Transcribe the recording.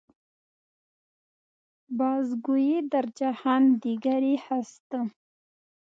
باز گوئی در جهان دیگری هستم.